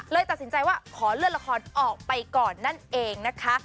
ตัดสินใจว่าขอเลื่อนละครออกไปก่อนนั่นเองนะคะ